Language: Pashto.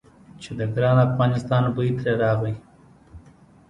چې د ګران افغانستان بوی ترې راغی.